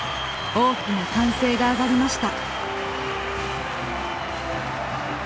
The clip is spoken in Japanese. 大きな歓声が上がりました。